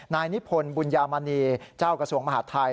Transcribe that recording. นายนิพนธ์บุญญามณีเจ้ากระทรวงมหาดไทย